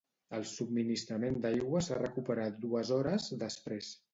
El subministrament d'aigua s'ha recuperat dues hores després.